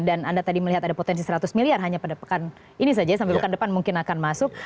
dan anda tadi melihat ada potensi seratus miliar hanya pada pekan ini saja sampai pekan depan mungkin akan masuk